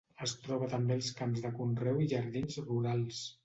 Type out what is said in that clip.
Es troba també als camps de conreu i jardins rurals.